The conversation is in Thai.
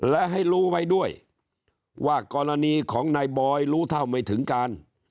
และให้รู้ไว้ด้วยว่ากรณีของนายบอยรู้เท่าไม่ถึงการ